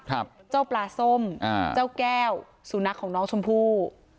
ครับเจ้าปลาส้มอ่าเจ้าแก้วสุนัขของน้องชมพู่